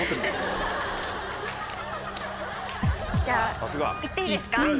じゃあ行っていいですか？